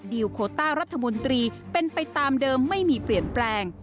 ลโคต้ารัฐมนตรีเป็นไปตามเดิมไม่มีเปลี่ยนแปลง